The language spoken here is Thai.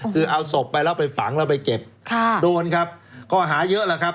คือเอาศพไปแล้วไปฝังแล้วไปเก็บค่ะโดนครับข้อหาเยอะแล้วครับ